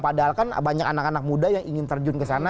padahal kan banyak anak anak muda yang ingin terjun ke sana